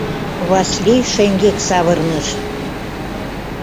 — Васлий шеҥгек савырныш.